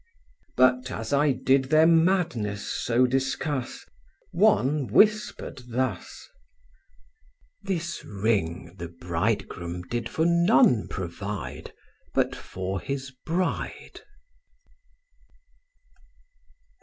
But as I did their madness so discuss One whisper'd thus, "This Ring the Bridegroom did for none provide But for his bride."